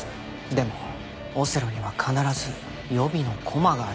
でもオセロには必ず予備の駒があります。